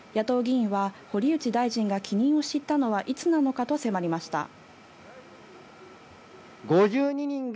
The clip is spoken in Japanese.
野党議員は堀内大臣が帰任を知ったのはいつなのかと迫りました。